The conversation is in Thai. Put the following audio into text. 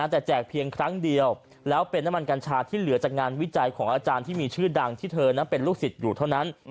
แต่แจกเพียงครั้งเดียวแล้วเป็นน้ำมันกัญชาที่เหลือจากงานวิจัยของอาจารย์ที่มีชื่อดังที่เธอนั้นเป็นลูกศิษย์อยู่เท่านั้น